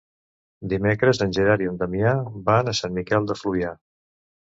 Dimecres en Gerard i en Damià van a Sant Miquel de Fluvià.